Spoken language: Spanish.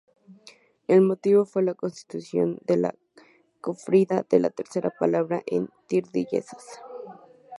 El motivo fue la constitución de la Cofradía de "La Tercera Palabra" en Tordesillas.